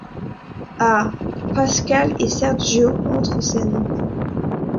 Ah, Pasquale et Sergio entrent en scène.